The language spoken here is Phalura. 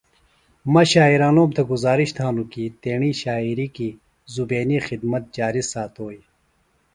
مہ شاعرانوم تھےۡ گزارش تھانوࣿ کیۡ تیݨی شاعری کیۡ زُیبینی خدمت جاری ساتوئی۔